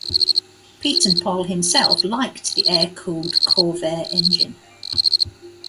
Pietenpol himself liked the air-cooled Corvair engine.